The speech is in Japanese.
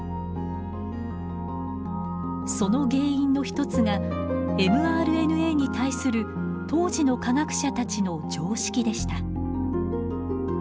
その原因の一つがｍＲＮＡに対する当時の科学者たちの常識でした。